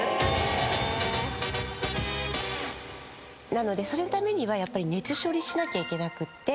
なのでそのためにはやっぱり熱処理しなきゃいけなくって。